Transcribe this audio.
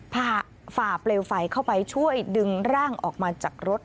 ฝ่าเปลวไฟเข้าไปช่วยดึงร่างออกมาจากรถ